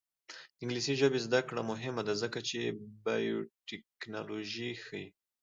د انګلیسي ژبې زده کړه مهمه ده ځکه چې بایوټیکنالوژي ښيي.